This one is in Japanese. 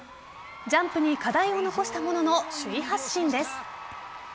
ジャンプに課題を残したものの首位発進です。